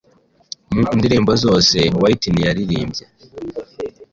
mu ndirimbo zose Whitney yaririmbye,